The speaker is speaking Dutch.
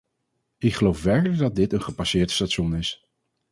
Ik geloof werkelijk dat dit een gepasseerd station is.